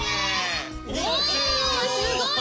おすごい。